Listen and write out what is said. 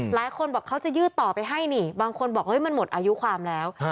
หลายคนบอกเขาจะยืดต่อไปให้นี่บางคนบอกมันหมดอายุความแล้ว